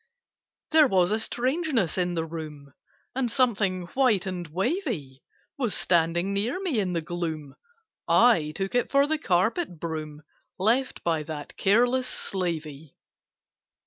There was a strangeness in the room, And Something white and wavy Was standing near me in the gloom— I took it for the carpet broom Left by that careless slavey.